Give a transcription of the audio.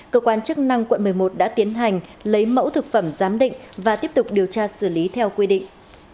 cơ quan chức năng quận một mươi một đã tiến hành lấy mẫu thực phẩm giám định và tiếp tục điều tra xử lý theo quy định